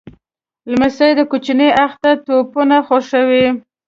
لمسی د کوچني اختر توپونه خوښوي.